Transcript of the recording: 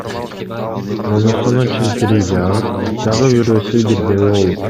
Мунусунун чимкириги агып, дагы бирөөсү бирдеме болуп!